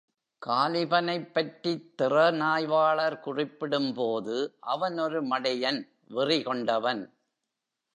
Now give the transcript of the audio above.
காலிபனைப் பற்றித் திறனாய்வாளர் குறிப்பிடும்போது, அவன் ஒரு மடையன் வெறி கொண்டவன்.